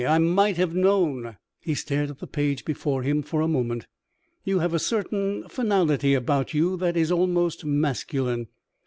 I might have known " He stared at the page before him for a moment. "You have a certain finality about you that is almost masculine.